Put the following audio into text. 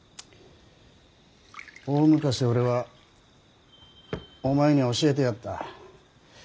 大昔俺はお前に教えてやった。